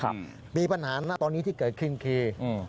มีปัญหาณตอนนี้ที่เกิดขึ้นคืออืม